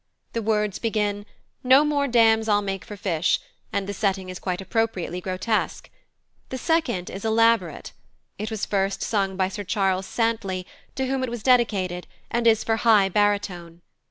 The words begin, "No more dams I'll make for fish," and the setting is quite appropriately grotesque. The second is elaborate. It was first sung by Sir Charles Santley, to whom it was dedicated, and is for high baritone.